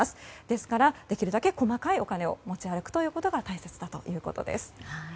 ですからできるだけ細かいお金を持ち歩くことが大切ということでした。